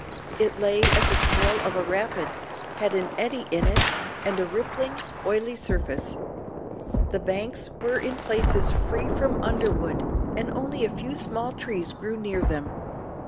It lay at the tail of a rapid, had an eddy in it, and a rippling, oily surface. The banks were in places free from underwood, and only a few small trees grew near them.